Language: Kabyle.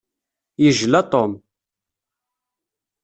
Yejla Tom.